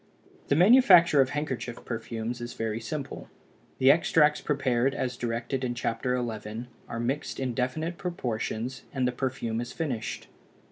The manufacture of handkerchief perfumes is very simple: the extracts prepared as directed in Chapter XI. are mixed in definite proportions and the perfume is finished.